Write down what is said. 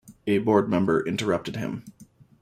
A board member interrupted him.